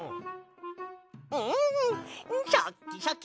んシャッキシャキ！